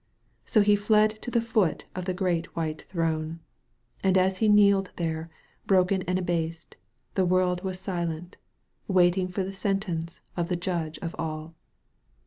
So he fled to the foot of the Great White Throne. And as he kneeled there, broken and abased, the world was silent, waiting for the sentence of the Judge of All.